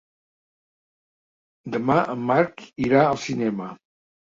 Demà en Marc irà al cinema.